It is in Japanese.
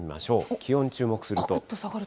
気温注目すると。